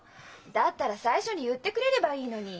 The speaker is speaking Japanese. だったら最初に言ってくれればいいのに。